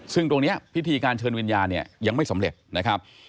ซึ่งตรงนี้พิธีการเชิญวิญญาณเนี่ยยังไม่สำเร็จนะครับ